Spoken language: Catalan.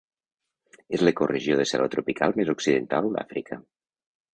És l'ecoregió de selva tropical més occidental d'Àfrica.